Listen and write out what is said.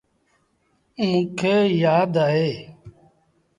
موݩ يآد اهي۔